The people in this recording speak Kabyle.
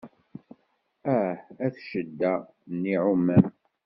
Ah at cedda n yiɛumam.